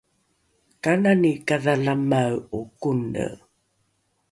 kanani kadhalamae’o kone